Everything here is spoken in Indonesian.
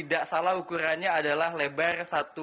tidak salah ukurannya adalah lebar satu